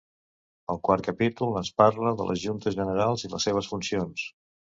El quart capítol ens parla de les juntes generals i les seves funcions.